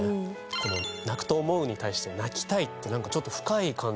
この泣くと思う？に対して「泣きたい」ってなんかちょっと深い感じ。